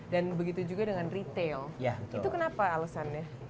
dan begitu juga dengan retail itu kenapa alesannya